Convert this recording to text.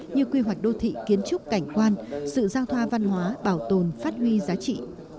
như quy hoạch đô thị kiến trúc cảnh quan sự giao thoa văn hóa bảo tồn phát huy giá trị